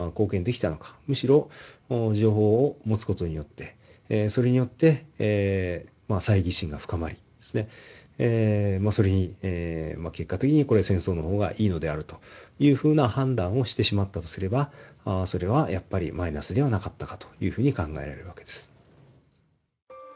むしろ情報を持つ事によってそれによって猜疑心が深まりそれに結果的にこれは戦争の方がいいのであるというふうな判断をしてしまったとすればそれはやっぱりマイナスではなかったかというふうに考えられる訳です。